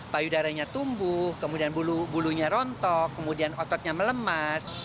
bayu darahnya tumbuh kemudian bulunya rontok kemudian ototnya melemas